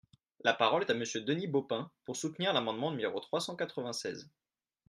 La parole est à Monsieur Denis Baupin, pour soutenir l’amendement numéro trois cent quatre-vingt-seize.